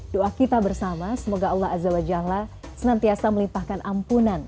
doa kita bersama semoga allah azza wa jalla senantiasa melimpahkan ampunan